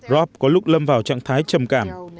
rob có lúc lâm vào trạng thái trầm cảm